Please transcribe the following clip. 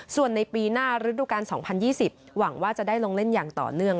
ส่วนในปีหน้าฤดูการ๒๐๒๐หวังว่าจะได้ลงเล่นอย่างต่อเนื่อง